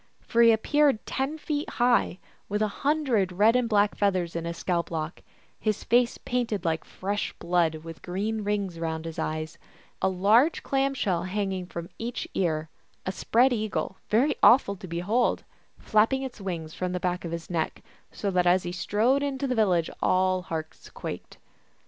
For he appeared ten feet high, with a hundred red and black feathers in his scalp lock, his face painted like fresh blood with green rings round his eyes, a large clam shell hanging from each ear, a spread eagle, very awful to behold, flapping its wings from the back of his neck, so that as he strode into the village all hearts quaked.